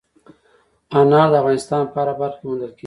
انار د افغانستان په هره برخه کې موندل کېږي.